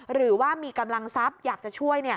หรือว่ามีกำลังทรัพย์อยากจะช่วย